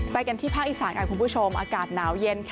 ไปกันที่ภาคอีสานอากาศหนาวเย็น